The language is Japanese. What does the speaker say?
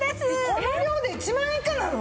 この量で１万円以下なの！？